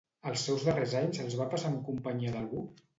Els seus darrers anys els va passar en companyia d'algú?